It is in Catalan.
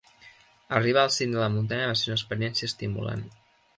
Arribar al cim de la muntanya va ser una experiència estimulant.